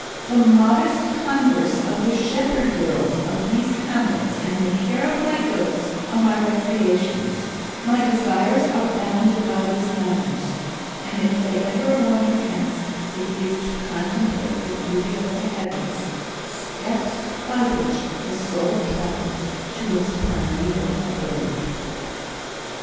The modest converse of the shepherd girls of these hamlets and the care of my goats are my recreations; my desires are bounded by these mountains, and if they ever wander hence it is to contemplate the beauty of the heavens, steps by which the soul travels to its primeval abode."